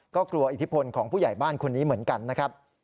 ก็กลัวอิทธิพลของผู้ใหญ่บ้านคนนี้เหมือนกันนะครับ